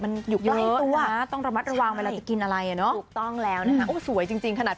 มันอยู่ใกล้ตัวต้องระมัดระวังเวลาจะกินอะไรอ่ะเนอะถูกต้องแล้วนะคะโอ้สวยจริงขนาด